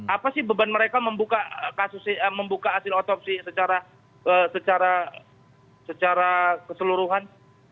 apa sih beban mereka membuka hasil otopsi secara keseluruhan